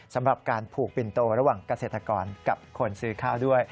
สำหรับการผูกปินโตระหว่างเกษตรกรกับคนซื้อข้าวด้วย